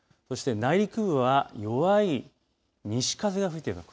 内陸には弱い西風が吹いています。